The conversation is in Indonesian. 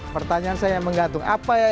pertanyaan saya yang menggantung